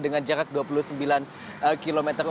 dengan jarak dua puluh sembilan km